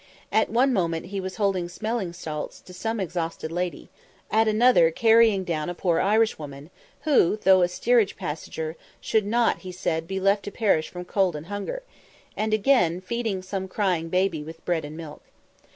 At one moment he was holding smelling salts to some exhausted lady at another carrying down a poor Irishwoman, who, though a steerage passenger, should not, he said, be left to perish from cold and hunger and again, feeding some crying baby with bread and milk.